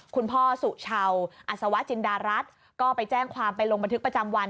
คุณพ่อสุชาวอัศวะจินดารัฐก็ไปแจ้งความไปลงบันทึกประจำวัน